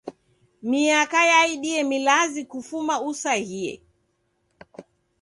Miaka yaidie milazi kufuma usaghie.